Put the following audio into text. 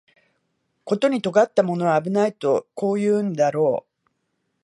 ことに尖ったものは危ないとこう言うんだろう